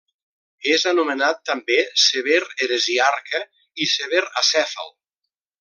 És anomenat també Sever Heresiarca i Sever Acèfal.